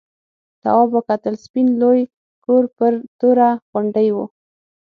تواب وکتل سپین لوی کور پر توره غونډۍ و.